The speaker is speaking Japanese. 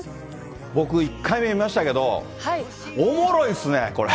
僕、１回目見ましたけど、おもろいですね、これ。